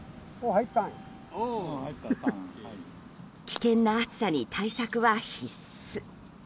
危険な暑さに対策は必須。